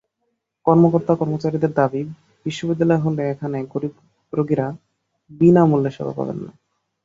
কর্মকর্তা-কর্মচারীদের দাবি বিশ্ববিদ্যালয় হলে এখানে গরিব রোগীরা বিনা মূল্যে সেবা পাবেন না।